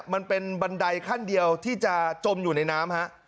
มันเป็นบันไดขั้นเดียวที่จะจมอยู่ในน้ำฮะ